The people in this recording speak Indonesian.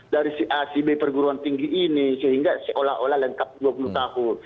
dari si a si b perguruan tinggi ini sehingga seolah olah lengkap dua puluh tahun